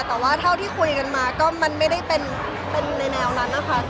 แต่ว่าเท่าที่คุยกันมาก็มันไม่ได้เป็นในแนวนั้นนะคะ